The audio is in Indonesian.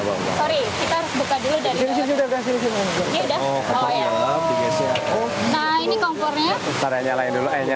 kita harus buka dulu dari bawah